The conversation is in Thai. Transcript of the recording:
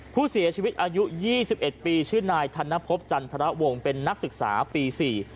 ผู้เสียชีวิตอายุ๒๑ปีชื่อนายธนพพจันทระวงเป็นนักศึกษาปี๔